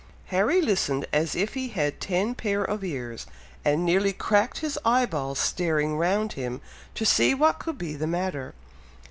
Harry listened as if he had ten pair of ears, and nearly cracked his eye balls staring round him, to see what could be the matter.